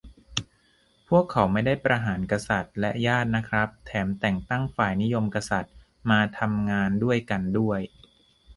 พวกเขาไม่ได้ประหารกษัตริย์และญาตินะครับ แถมแต่งตั้งฝ่ายนิยมกษัตริย์มาทำงานด้วยกันด้วย